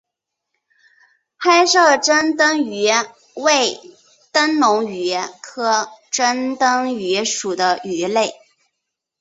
黑色珍灯鱼为灯笼鱼科珍灯鱼属的鱼类。